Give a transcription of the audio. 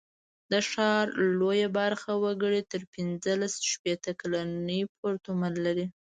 د ښار لویه برخه وګړي تر پینځه شپېته کلنۍ پورته عمر لري.